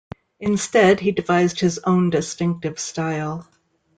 Instead he devised his own distinctive style.